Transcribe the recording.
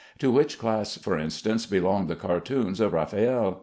To which class, for instance, belong the cartoons of Raffaelle?